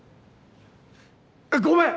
ごめん！